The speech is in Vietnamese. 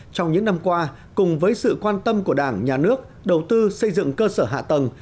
trong những năm qua cùng với sự quan tâm của đảng nhà nước đầu tư xây dựng cơ sở hạ tầng